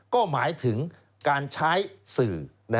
ก็หมายถึงการใช้สื่อ